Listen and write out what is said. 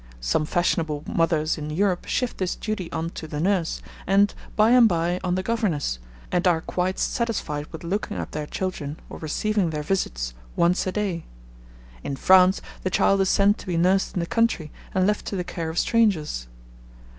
Some fashionable mothers in Europe shift this duty on to the nurse, and, by and by, on the governess, and are quite satisfied with looking up their children, or receiving their visits, once a day. In France the child is sent to be nursed in the country, and left to the care of strangers.